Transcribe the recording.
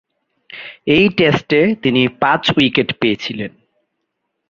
ঐ টেস্টে তিনি পাঁচ উইকেট পেয়েছিলেন।